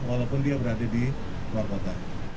walaupun dia berada di luar kota